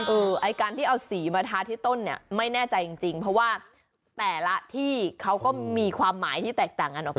ไอ้การที่เอาสีมาทาที่ต้นเนี่ยไม่แน่ใจจริงเพราะว่าแต่ละที่เขาก็มีความหมายที่แตกต่างกันออกไป